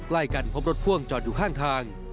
ใกล้กันพบรถพ่วงจอดอยู่ข้างทาง